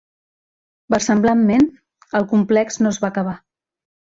Versemblantment, el complex no es va acabar.